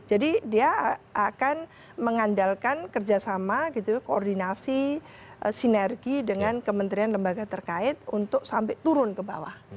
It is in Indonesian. jadi dia akan mengandalkan kerjasama gitu koordinasi sinergi dengan kementerian lembaga terkait untuk sampai turun ke bawah